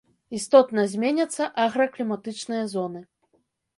Істотна зменяцца агракліматычныя зоны.